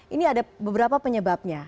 ini ada beberapa penyebabnya